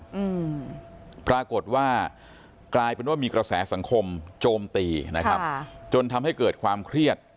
อืมปรากฏว่ากลายเป็นว่ามีกระแสสังคมโจมตีนะครับค่ะจนทำให้เกิดความเครียด